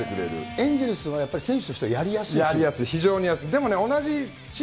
エンゼルスは選手としてはやりやすい？